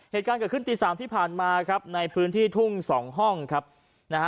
เหตุการณ์เกิดขึ้นตีสามที่ผ่านมาครับในพื้นที่ทุ่งสองห้องครับนะฮะ